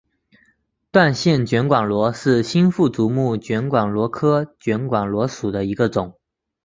断线卷管螺是新腹足目卷管螺科卷管螺属的一个种。